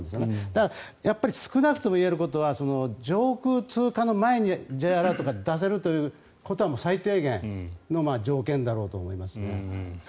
だから、少なくともいえることは上空通過の前にＪアラートが出せるということは最低限の条件だろうと思いますね。